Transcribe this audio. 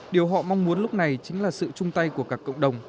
điều họ mong muốn lúc này chính là sự chung tay của các cộng đồng